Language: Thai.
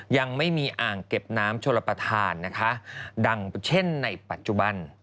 ยังไม่มีอ่างเก็บน้ำชลประธานนะคะดังเช่นในปัจจุบัน